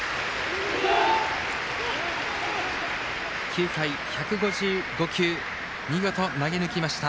９ 回、１５５球見事、投げぬきました。